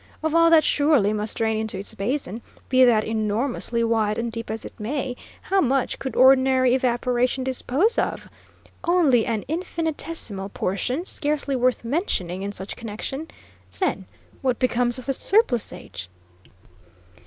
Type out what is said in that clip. Of all that surely must drain into its basin, be that enormously wide and deep as it may, how much could ordinary evaporation dispose of? Only an infinitesimal portion; scarcely worth mentioning in such connection. Then, what becomes of the surplusage?"